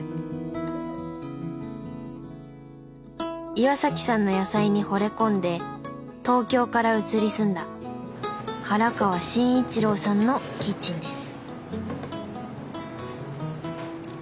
岩さんの野菜にほれ込んで東京から移り住んだ原川慎一郎さんのキッチンです。